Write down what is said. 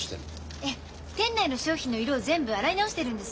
ええ店内の商品の色を全部洗い直してるんです。